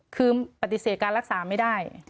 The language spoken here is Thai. คือปฏิเสธการรักษาไม่ได้